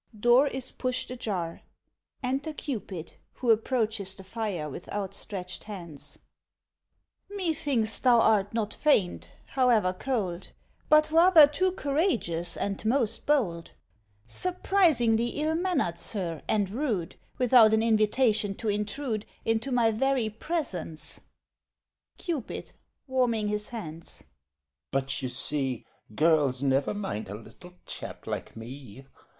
[Door is pushed ajar. Enter CUPID, who approaches the fire with outstretched hands.] MAID (indignantly) Methinks thou art not faint, however cold, But rather too courageous, and most bold; Surprisingly ill mannered, sir, and rude, Without an invitation to intrude Into my very presence. CUPID (warming his hands) But, you see, Girls never mind a little chap like me.